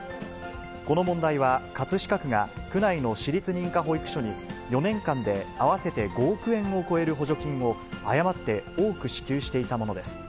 この問題は、葛飾区が区内の私立認可保育所に、４年間で合わせて５億円を超える補助金を誤って多く支給していたものです。